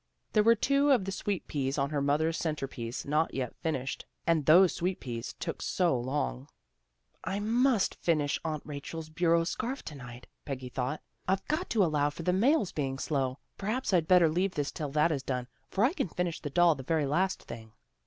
There were two of the sweet peas on her mother's centrepiece not finished yet, and those sweet peas took so long. CHRISTMAS PREPARATIONS 169 ' I must finish Aunt Rachel's bureau scarf to night," Peggy thought. " I've got to allow for the mails being slow. Perhaps I'd better leave this till that is done, for I can finish the doll the very last thing."